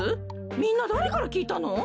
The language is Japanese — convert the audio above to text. みんなだれからきいたの？